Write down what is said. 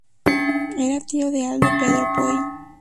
Era tío de Aldo Pedro Poy.